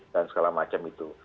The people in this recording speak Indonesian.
dan segala macam itu